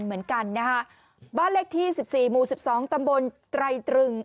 เหมือนกันนะฮะบ้านเล็กที่๑๔หมู่๑๒ตำบลไตร่ตรึง